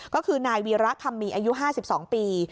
ก็คือนายวีระคำมีอายุ๕๒ปี